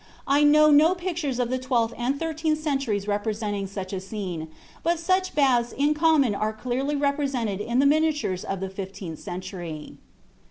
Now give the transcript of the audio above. I know no pictures of the twelfth and thirteenth centuries representing such a scene, but such baths in common are clearly represented in miniatures of the fifteenth century."